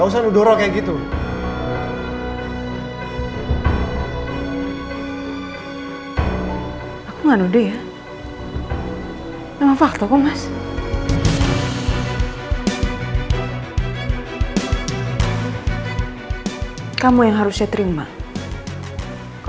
sampai jumpa di video selanjutnya